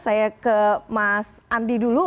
saya ke mas andi dulu